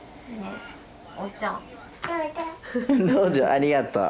ありがとう。